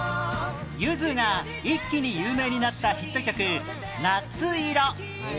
ゆずが一気に有名になったヒット曲『夏色』